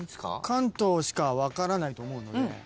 関東しか分からないと思うので。